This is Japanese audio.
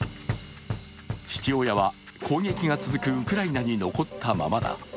父親は攻撃が続くウクライナに残ったままだ。